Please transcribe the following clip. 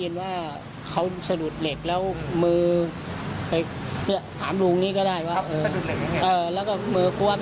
แต่ก็มือจับถิ่นไหมครับ